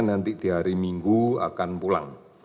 nanti di hari minggu akan pulang